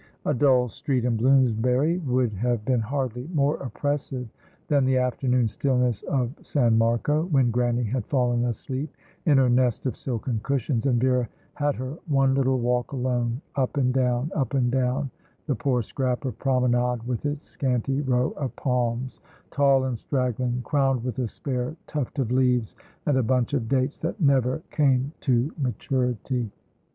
A dull street in Bloomsbury would have been hardly more oppressive than the afternoon stillness of San Marco, when Grannie had fallen asleep in her nest of silken cushions, and Vera had her one little walk alone up and down, up and down the poor scrap of promenade with its scanty row of palms, tall and straggling, crowned with a spare tuft of leaves, and a bunch of dates that never came to maturity.